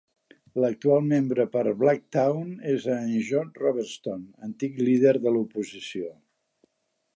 L'actual membre per Blacktown és en John Robertson, antic líder de l'oposició.